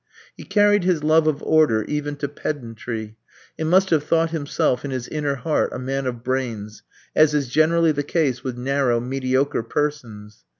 He carried his love of order even to pedantry, and must have thought himself in his inner heart a man of brains, as is generally the case with narrow, mediocre persons.